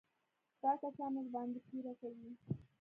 ستا کسان ورباندې پيره کوي.